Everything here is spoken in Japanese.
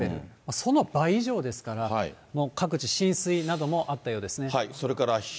その倍以上ですから、もう各地、浸水などもあったようですね。